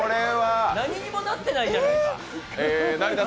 何にもなってないじゃないか。